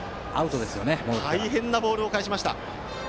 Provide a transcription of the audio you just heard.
大変なボールを返しました。